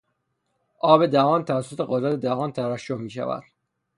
آب دهان توسط غدد دهان ترشح میشود.